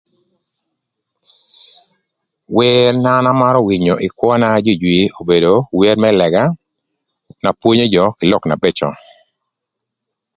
Wer na an amarö winyo ï kwöna jwijwi obedo wer më lëga, na pwonyo jö kï lok na bëcö.